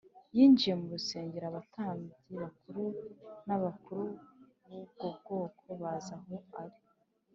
Yinjiye mu rusengero abatambyi bakuru n’abakuru b’ubwo bwoko baza aho ari